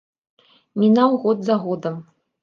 Мінаў год за годам.